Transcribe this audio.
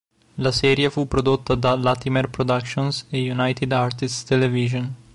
La serie fu prodotta da Latimer Productions e United Artists Television.